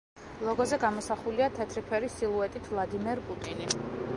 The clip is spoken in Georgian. ლოგოზე გამოსახულია თეთრი ფერის სილუეტით ვლადიმერ პუტინი.